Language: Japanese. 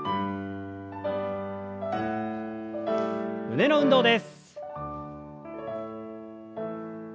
胸の運動です。